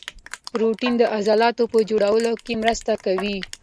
پروټین د عضلاتو په جوړولو کې مرسته کوي